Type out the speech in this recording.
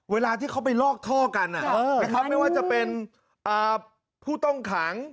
เวลาที่เขาไปลอกท่อกันนะครับไม่ว่าจะเป็นผู้ต้องขัง